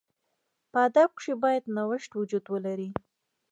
په ادب کښي باید نوښت وجود ولري.